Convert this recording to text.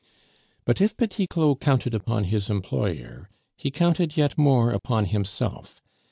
But if Petit Claud counted upon his employer, he counted yet more upon himself.